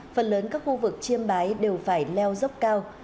phần lớn các khu vực chiêm bái đều phải leo dốc cao